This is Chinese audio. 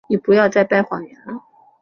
你不要再掰谎言了。